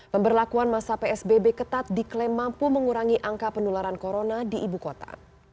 pemberlakuan masa psbb ketat diklaim mampu mengurangi angka penularan corona di ibu kota